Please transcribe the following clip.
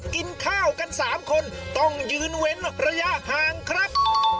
กินข้าวกัน๓คนต้องยืนเว้นระยะห่างครับ